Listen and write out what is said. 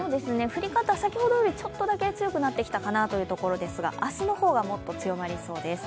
降り方、先ほどよりちょっとだけ強くなってきたかなというところですが、明日の方がもっと強まりそうです。